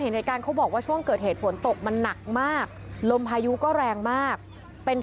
หลายคนหลายคนหลายคนหลายคนหลายคนหลายคน